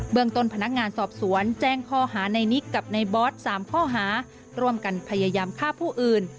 เมืองต้นพนักงานสอบสวนแจ้งข้อหาในนิกกับในบอส๓ข้อหาร่วมกันพยายามฆ่าผู้อื่น